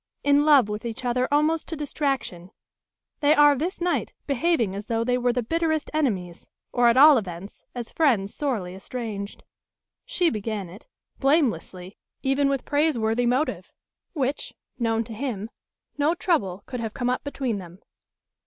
In love with each other almost to distraction, they are this night behaving as though they were the bitterest enemies, or at all events as friends sorely estranged. She began it; blamelessly, even with praiseworthy motive; which, known to him, no trouble could have come up between them.